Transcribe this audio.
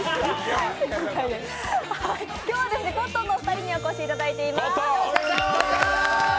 今日はコットンのお二人にお越しいただいています。